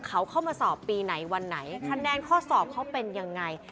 เขาเข้ามาสอบปีไหนวันไหนคะแนนข้อสอบเขาเป็นยังไง